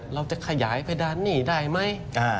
เราจะขยายเพดานหนี้ได้ไหม